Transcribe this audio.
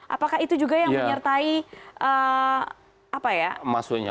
apakah itu juga yang menyertai apa ya